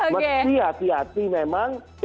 mesti hati hati memang